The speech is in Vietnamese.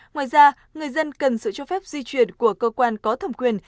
ngoài ra người dân cần sự cho phép di chuyển của cơ quan có thẩm quyền